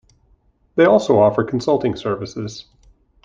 They also offer consulting services.